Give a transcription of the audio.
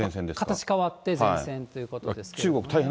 形変わって前線ということですね。